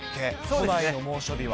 都内の猛暑日は。